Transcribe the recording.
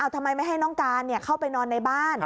ทำไมไม่ให้น้องการเข้าไปนอนในบ้าน